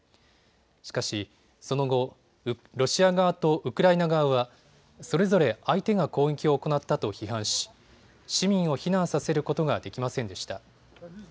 しかし、その後、ロシア側とウクライナ側はそれぞれ相手が攻撃を行ったと批判し、市民を避難させることができませんでした。